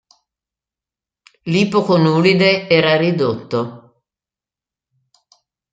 L'ipoconulide era ridotto.